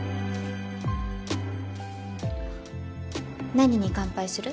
何に乾杯する？